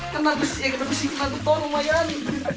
kena besi kena keton lumayan